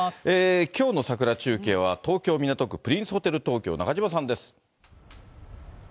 きょうの桜中継は東京・港区プリンスホテル東京、中島さんです。